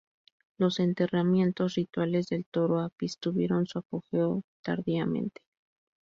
Los enterramientos rituales del toro Apis tuvieron su apogeo tardíamente.